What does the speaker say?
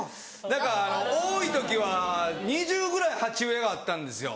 多い時は２０ぐらい鉢植えがあったんですよ。